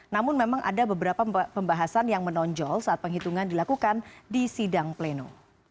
namun memang ada beberapa pembahasan yang menonjol saat penghitungan dilakukan di sidang pleno